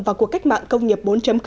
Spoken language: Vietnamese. và cuộc cách mạng công nghiệp bốn